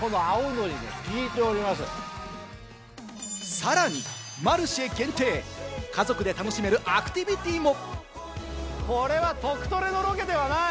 さらにマルシェ限定、家族で楽しめるアクティビティも。